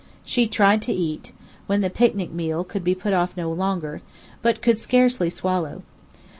She tried to eat: when the picnic meal could be put off no longer, but could scarcely swallow.